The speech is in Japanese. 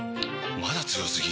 まだ強すぎ？！